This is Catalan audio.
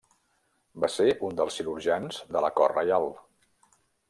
Va ser uns dels cirurgians de la cort reial.